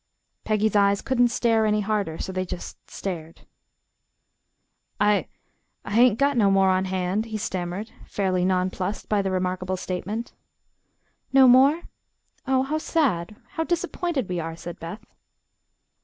Peggy's eyes couldn't stare any harder, so they just stared. "I I hain't got no more on hand," he stammered, fairly nonplussed by the remarkable statement. "No more? Oh, how sad. How disappointed we are," said Beth.